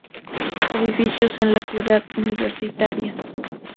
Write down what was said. Edificios en la Ciudad Universitaria.